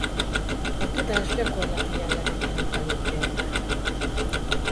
A tudás gyakorlati jellege kerül előtérbe.